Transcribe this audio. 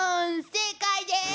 正解です！